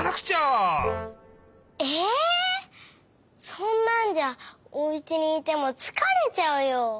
そんなんじゃおうちにいてもつかれちゃうよ！